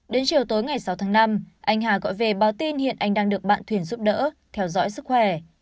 đến chiều tối ngày sáu tháng năm anh hà gọi về báo tin hiện anh đang được bạn thuyền giúp đỡ theo dõi sức khỏe